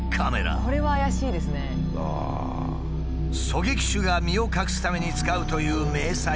狙撃手が身を隠すために使うという迷彩服。